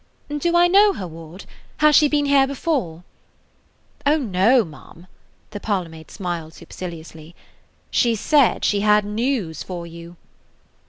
"Do I know her, Ward? Has she been here before?" "Oh, no, ma'am." The parlor maid smiled superciliously. "She said she had news for you."